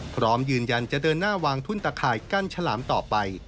พร้อมยืนยันจะเดินหน้าวางทุ่นตะข่ายกั้นฉลามต่อไป